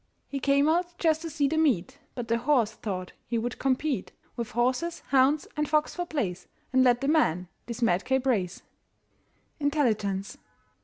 He came out just to see the Meet, But the horse thought he would compete With horses, hounds and fox for place, And led the man this madcap race. INTELLIGENCE.